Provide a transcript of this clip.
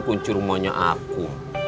kunci rumahnya aku